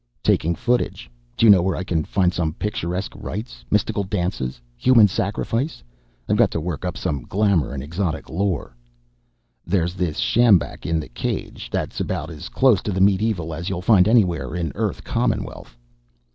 "Taking footage. Do you know where I can find some picturesque rites? Mystical dances, human sacrifice? I've got to work up some glamor and exotic lore." "There's this sjambak in the cage. That's about as close to the medieval as you'll find anywhere in Earth Commonwealth."